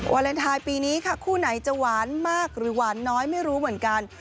วาเลนไทยปีนี้ค่ะคู่ไหนจะหวานมากหรือหวานน้อยไม่รู้เหมือนกัน